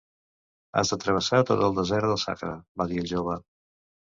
"Has de travessar tot el desert del Sàhara", va dir el jove.